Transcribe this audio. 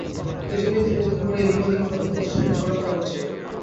এজন্যই তিনি ঐদিন ভোরে এদিক ওদিকে সতর্ক দৃষ্টি রেখে চলাফেরা করছিলেন।